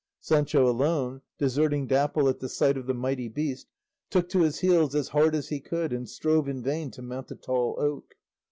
Sancho alone, deserting Dapple at the sight of the mighty beast, took to his heels as hard as he could and strove in vain to mount a tall oak.